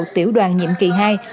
tiểu đoàn nhiệm kỳ hai